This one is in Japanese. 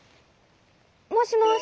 もしもし。